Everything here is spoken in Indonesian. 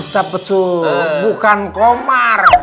sabetsul bukan komar